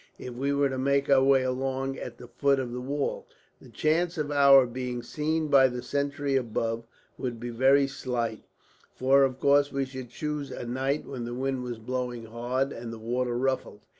If we were to make our way along at the foot of the wall, the chance of our being seen by the sentry above would be very slight; for of course we should choose a night when the wind was blowing hard, and the water ruffled.